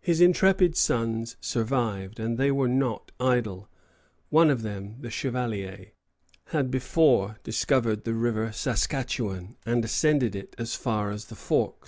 His intrepid sons survived, and they were not idle. One of them, the Chevalier, had before discovered the river Saskatchawan, and ascended it as far as the forks.